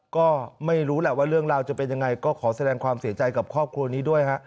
ก็ไม่รู้แหละว่าเรื่องราวจะเป็นยังไงก็ขอแสดงความเสียใจกับครอบครัวนี้ด้วยฮะ